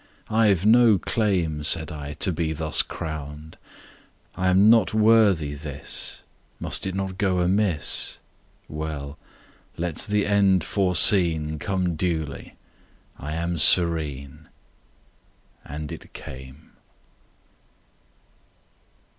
"I've no claim," Said I, "to be thus crowned: I am not worthy this:— Must it not go amiss?— Well ... let the end foreseen Come duly!—I am serene." —And it came.